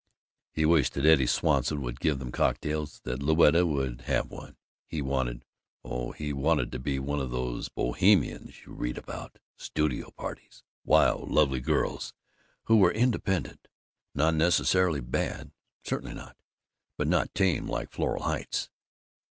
He wished that Eddie Swanson would give them cocktails; that Louetta would have one. He wanted Oh, he wanted to be one of these Bohemians you read about. Studio parties. Wild lovely girls who were independent. Not necessarily bad. Certainly not! But not tame, like Floral Heights.